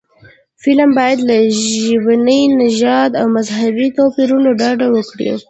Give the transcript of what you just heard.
فلم باید له ژبني، نژادي او مذهبي توپیرونو ډډه وکړي